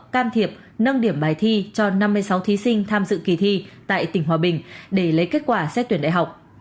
can thiệp nâng điểm bài thi cho năm mươi sáu thí sinh tham dự kỳ thi tại tỉnh hòa bình để lấy kết quả xét tuyển đại học